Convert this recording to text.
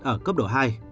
ở cấp độ hai